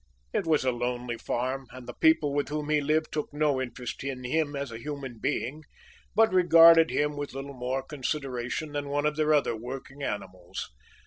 It was a lonely farm, and the people with whom he lived took no interest in him as a human being, but regarded him with little more consideration than one of their other working animals.